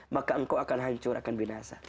maka engkau akan hancur akan binasa